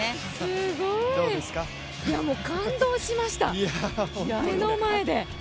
すごい、感動しました、目の前で。